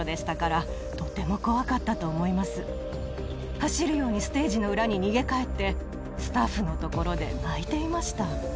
走るようにステージの裏に逃げ帰ってスタッフの所で泣いていました。